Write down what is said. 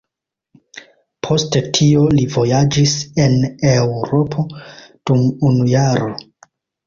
Post tio li vojaĝis en Eŭropo dum unu jaro.